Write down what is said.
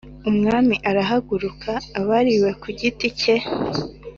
umwami arahaguruka abariwe kugiti cye